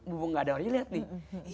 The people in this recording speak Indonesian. mumbung gak ada orang yang melihat nih